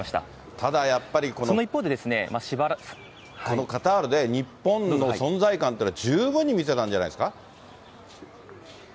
ただやっぱり、このカタールで日本の存在感というのは、十分に見せたんじゃないですか。